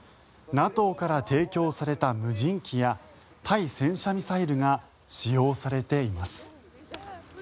ＮＡＴＯから提供された無人機や対戦車ミサイルが使用されています。